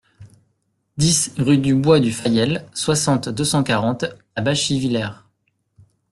dix rue du Bois du Fayel, soixante, deux cent quarante à Bachivillers